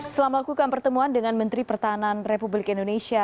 setelah melakukan pertemuan dengan menteri pertahanan republik indonesia